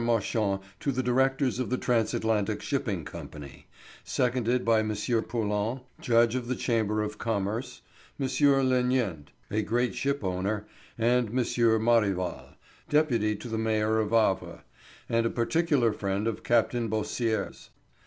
Marchand to the directors of the Transatlantic Shipping Co., seconded by M. Poulin, judge of the Chamber of Commerce, M. Lenient, a great ship owner, and Mr. Marival, deputy to the Mayor of Havre, and a particular friend of Captain Beausires's.